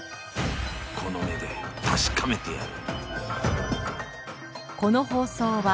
この目で確かめてやる！］